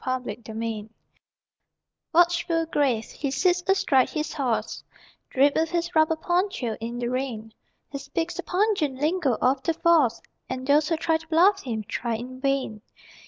MOUNTED POLICE Watchful, grave, he sits astride his horse, Draped with his rubber poncho, in the rain; He speaks the pungent lingo of "The Force," And those who try to bluff him, try in vain.